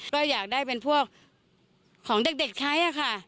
ก็อยากได้เป็นพวกของเด็กใช้ค่ะ